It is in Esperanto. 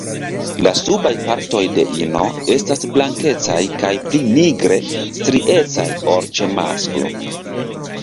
La subaj partoj de ino estas blankecaj kaj pli nigre striecaj ol ĉe masklo.